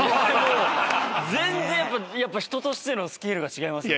全然人としてのスケールが違いますね。